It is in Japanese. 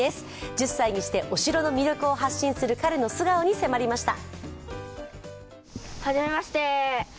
１０歳にして、お城の魅力を発信する彼の素顔に迫りました。